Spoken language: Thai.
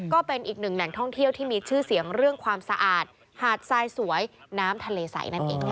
ก็เป็นอีกหนึ่งแหล่งท่องเที่ยวที่มีชื่อเสียงเรื่องความสะอาดหาดทรายสวยน้ำทะเลใสนั่นเองค่ะ